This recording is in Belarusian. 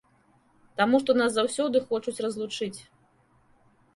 Таму што нас заўсёды хочуць разлучыць.